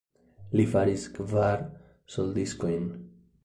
Li faris kvar soldiskojn.